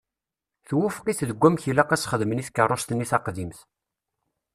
Twufeq-it deg amek ilaq ad s-xedmen i tkeṛṛust-nni taqdimt.